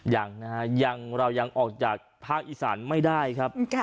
อย่างเรายังออกจากภาคอีสานไม่ได้ครับ